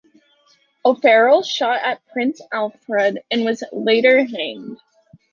O'Farrell shot at Prince Alfred and was later hanged.